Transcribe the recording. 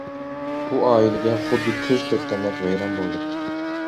بۇ ئائىلىگە خۇددى كۆز تەگكەندەك ۋەيران بولدى.